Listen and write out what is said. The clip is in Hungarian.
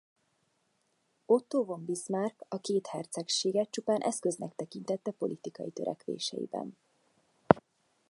Otto von Bismarck a két hercegséget csupán eszköznek tekintette politikai törekvéseiben.